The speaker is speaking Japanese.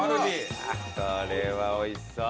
これは美味しそう。